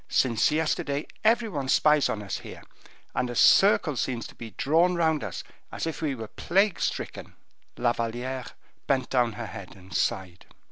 Since yesterday every one spies on us here, and a circle seems to be drawn round us, as if we were plague stricken." La Valliere bent down her head and sighed.